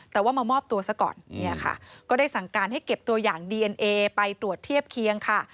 แต่ว่ามามอบตัวซะก่อนเนี่ยค่ะก็ได้สั่งการให้เก็บตัวอย่างดีเอ็นเอไปตรวจเทียบเคียงค่ะ